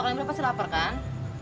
kalian pasti lapar kan